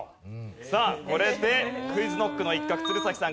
これでＱｕｉｚＫｎｏｃｋの一角鶴崎さん